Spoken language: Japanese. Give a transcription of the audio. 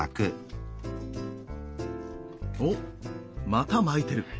おっまた巻いてる。